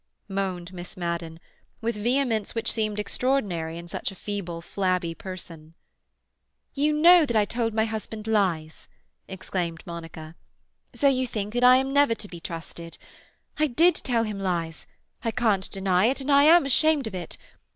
moaned Miss Madden, with vehemence which seemed extraordinary in such a feeble, flabby person. "You know that I told my husband lies," exclaimed Monica, "so you think I am never to be trusted. I did tell him lies; I can't deny it, and I am ashamed of it.